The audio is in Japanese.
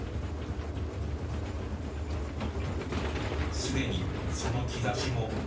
すでにその兆しも。